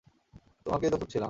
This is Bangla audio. তোমাকেই তো খুঁজছিলাম।